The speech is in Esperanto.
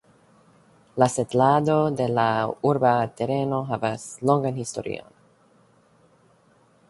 La setlado de la urba tereno havas longan historion.